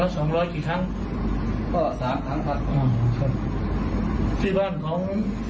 อ๋อสองร้อยกี่ครั้งอ๋อสามครั้งครับอ๋อที่บ้านของ